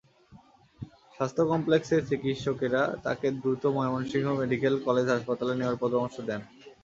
স্বাস্থ্য কমপ্লেক্সের চিকিৎসকেরা তাকে দ্রুত ময়মনসিংহ মেডিকেলে কলেজ হাসপাতালে নেওয়ার পরামর্শ দেন।